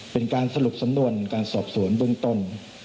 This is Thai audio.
เป็นการสรุปสำนวนการสอบสวนเบื้องต้น